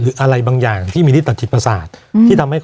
หรืออะไรขึ้นที่มีที่ตัดจิตประสาท